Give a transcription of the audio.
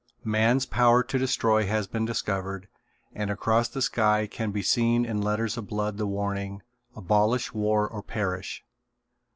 Man's power to destroy has been discovered and across the sky can be seen in letters of blood the warning, "Abolish war or perish."